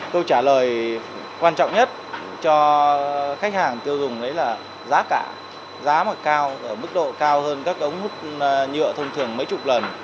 khách hàng tiêu dùng đấy là giá cả giá mà cao mức độ cao hơn các ống hút nhựa thông thường mấy chục lần